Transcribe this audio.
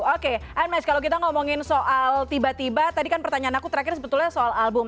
oke anmesh kalau kita ngomongin soal tiba tiba tadi kan pertanyaan aku terakhir sebetulnya soal album